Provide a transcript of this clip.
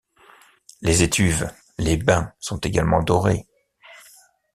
Les étuves, les bains sont également dorés.